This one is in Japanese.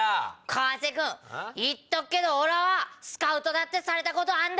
川瀬君言っとくけどおらスカウトされたことあんだ。